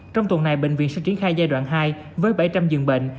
trong tuần này bệnh viện sẽ triển khai giai đoạn hai với bảy trăm linh giường bệnh